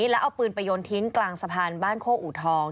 แล้วเอาปืนไปโยนทิ้งกลางสะพานบ้านโคกอูทอง